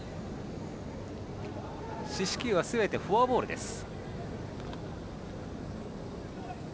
四死球はすべてフォアボールです。